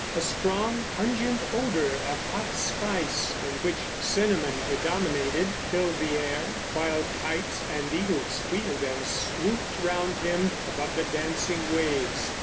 A strong, pungent odour of hot spice in which cinnamon predominated filled the air, while kites and eagles wheeled and swooped round him above the dancing waves.